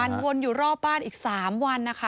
วนอยู่รอบบ้านอีก๓วันนะคะ